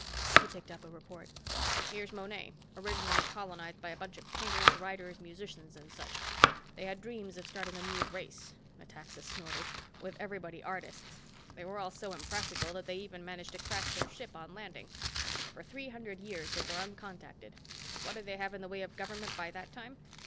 He picked up a report. "Here's Monet, originally colonized by a bunch of painters, writers, musicians and such. They had dreams of starting a new race"—Metaxa snorted—"with everybody artists. They were all so impractical that they even managed to crash their ship on landing. For three hundred years they were uncontacted. What did they have in the way of government by that time?